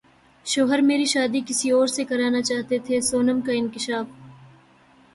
شوہر میری شادی کسی اور سے کرانا چاہتے تھے سونم کا انکشاف